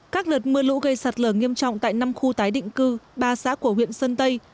các đợt mưa lũ gây sạt lở nghiêm trọng tại năm khu tái định cư ba xã của huyện sơn tây